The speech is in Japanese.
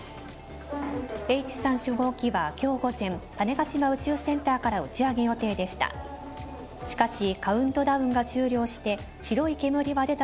Ｈ３初号機は今日午前種子島宇宙センターから打ち上げ予定でした。